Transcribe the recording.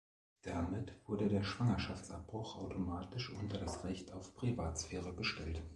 Damit wurde der Schwangerschaftsabbruch automatisch unter das Recht auf Privatsphäre gestellt.